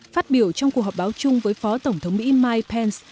phát biểu trong cuộc họp báo chung với phó tổng thống mỹ mike pence